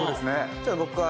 ちょっと僕は。